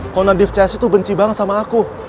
kalau nadif csi tuh benci banget sama aku